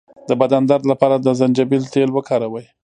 د بدن درد لپاره د زنجبیل تېل وکاروئ